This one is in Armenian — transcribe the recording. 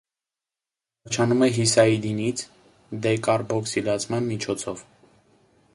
Առաջանում է հիսաիդինից՝ դեկարբօքսիլացման միջոցով։